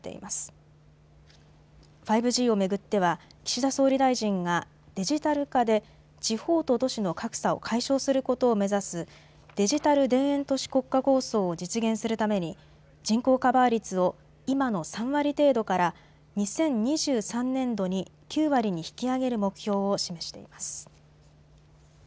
５Ｇを巡っては岸田総理大臣がデジタル化で地方と都市の格差を解消することを目指すデジタル田園都市国家構想を実現するために人口カバー率を今の３割程度から２０２３年度に９割に引き上げる目標を示しています。